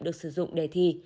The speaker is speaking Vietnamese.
được sử dụng đề thi